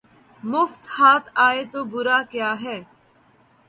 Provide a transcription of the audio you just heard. مفت ہاتھ آئے تو برا کیا ہے